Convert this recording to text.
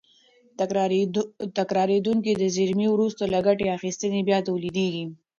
تکرارېدونکې زېرمې وروسته له ګټې اخیستنې بیا تولیدېږي.